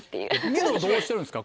ニノはどうしてるんですか？